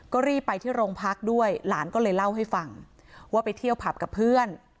ก็รีบไปที่โรงพักด้วยหลานก็เลยเล่าให้ฟังว่าไปเที่ยวผับกับเพื่อน